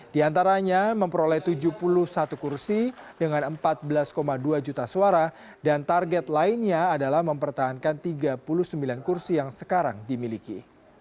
di antaranya memperoleh tujuh puluh satu kursi dengan empat belas dua juta suara dan target lainnya adalah mempertahankan tiga puluh sembilan kursi yang sekarang dimiliki